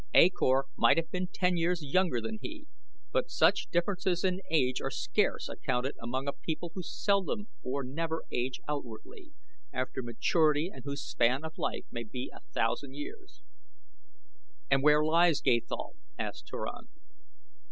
A Kor might have been ten years younger than he, but such differences in age are scarce accounted among a people who seldom or never age outwardly after maturity and whose span of life may be a thousand years. "And where lies Gathol?" asked Turan.